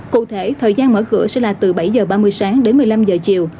cụ thể thời gian mở cửa sẽ là từ bảy h ba mươi sáng đến một mươi năm giờ chiều